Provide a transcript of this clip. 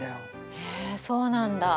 へえそうなんだ。